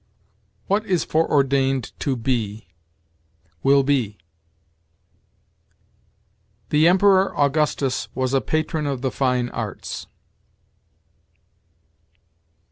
"What is foreordained to be, will be." "The Emperor Augustus was a patron of the fine arts."